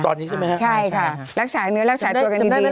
ตอนนี้ใช่ไหมครับใช่ค่ะรักษาเนื้อรักษาตัวกันดี